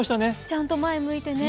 ちゃんと前向いてね。